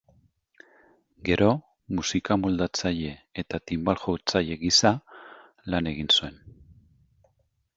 Gero, musika-moldatzaile eta tinbal-jotzaile gisa lan egin zuen.